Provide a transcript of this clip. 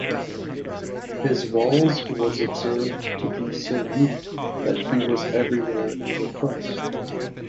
His walls was observed to be so neat that he was everywhere in request.